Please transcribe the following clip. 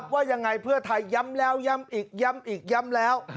ว่ายังไงเพื่อไทยย้ำแล้วย้ำอีกย้ำอีกย้ำแล้ว